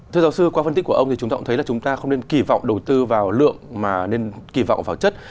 thưa giáo sư qua phân tích của ông thì chúng ta cũng thấy là chúng ta không nên kỳ vọng đầu tư vào lượng mà nên kỳ vọng vào chất